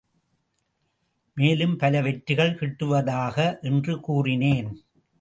மேலும் பல வெற்றிகள் கிட்டுவதாக என்று கூறினேன்.